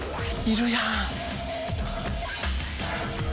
いるやん。